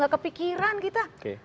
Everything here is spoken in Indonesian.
gak kepikiran kita